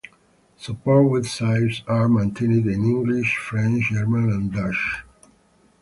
Support websites are maintained in English, French, German and Dutch.